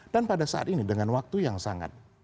dan pada saat ini dengan waktu yang sangat